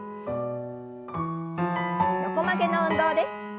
横曲げの運動です。